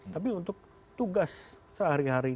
tapi untuk tugas sehari hari